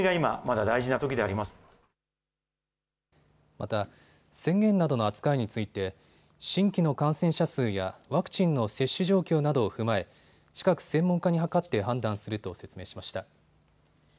また、宣言などの扱いについて新規の感染者数やワクチンの接種状況などを踏まえ近く専門家に諮って判断すると説明しました。